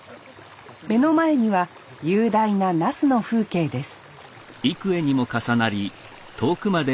目の前には雄大な那須の風景です